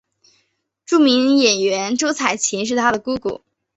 著名演员周采芹是她的姑姑。